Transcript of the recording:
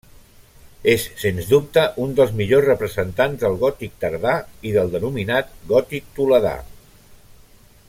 És, sens dubte, un dels millors representants del gòtic tardà i del denominat gòtic toledà.